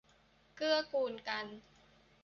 เกื้อกูลกัน